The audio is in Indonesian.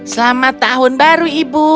selamat tahun baru ibu